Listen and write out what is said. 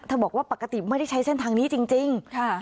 บอกว่าปกติไม่ได้ใช้เส้นทางนี้จริง